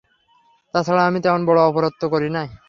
তা ছাড়া আমি তেমন বড় অপরাধ তো করি নাই!